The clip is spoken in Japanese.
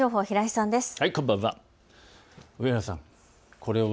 こんばんは。